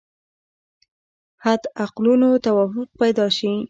حد اقلونو توافق پیدا شي.